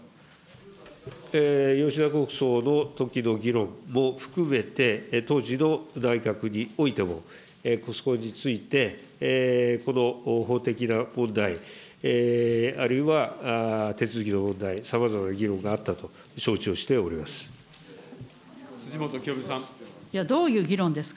吉田国葬のときの議論も含めて、当時の内閣においても、そこについて、この法的な問題、あるいは手続きの問題、さまざまな議論があったと承知をしております。